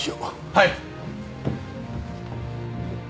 はい。